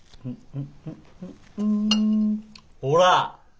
ほら。